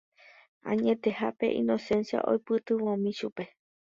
Añetehápe Inocencia oipytyvõmi chupe.